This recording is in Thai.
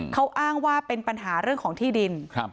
เขาอ้างว่าเป็นปัญหาเรื่องของที่ดิน